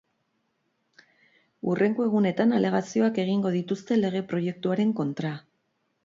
Hurrengo egunetan alegazioak egingo dituzte lege proiektuaren kontra.